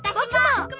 ぼくも！